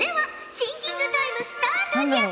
シンキングタイムスタートじゃ！